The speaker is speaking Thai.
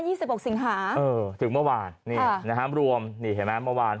สิบหกสิงหาเออถึงเมื่อวานนี่นะฮะรวมนี่เห็นไหมเมื่อวาน